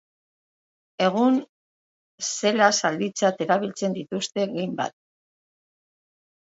Egun, zela-zalditzat erabiltzen dituzte gehienbat.